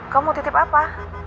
kau mau titip apa